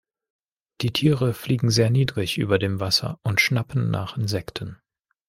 Die Tiere fliegen sehr niedrig über dem Wasser und schnappen nach Insekten.